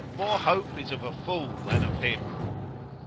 more hope is of a fool than of him.